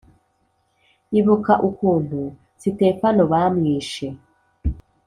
Ibuka ukuntu sitefano bamwishe